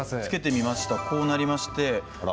こうなりました。